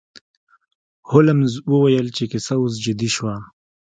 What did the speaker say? هولمز وویل چې کیسه اوس جدي شوه.